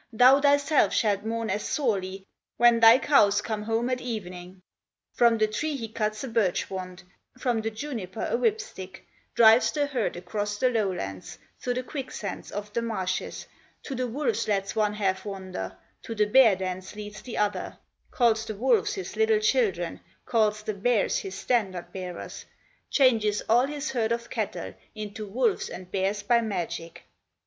Thou thyself shalt mourn as sorely When thy cows come home at evening!" From the tree he cuts a birch wand, From the juniper a whip stick, Drives the herd across the lowlands, Through the quicksands of the marshes, To the wolves lets one half wander, To the bear dens leads the other; Calls the wolves his little children, Calls the bears his standard bearers, Changes all his herd of cattle Into wolves and bears by magic.